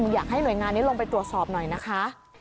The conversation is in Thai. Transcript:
อยากให้หน่วยงานนี้ลงไปตรวจสอบหน่อยนะคะ